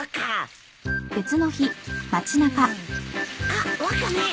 あっワカメ。